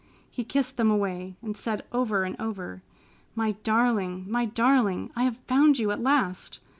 He kissed them away, and said over and over, "My darling! My darling! I have found you at last!"